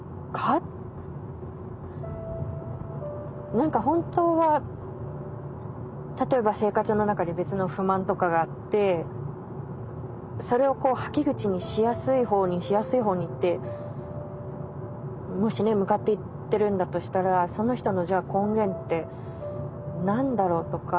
何か本当は例えば生活の中で別の不満とかがあってそれをはけ口にしやすいほうにしやすいほうにってもしね向かっていってるんだとしたらその人のじゃあ根源って何だろうとか。